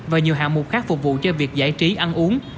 và nhiều hạng mục khác phục vụ cho việc giải trí ăn uống